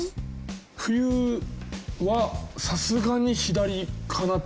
冬はさすがに左かなと。